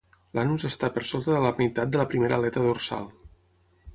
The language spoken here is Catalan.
L'anus està per sota de la meitat de la primera aleta dorsal.